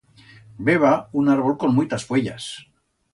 B'heba un árbol con muitas fuellas.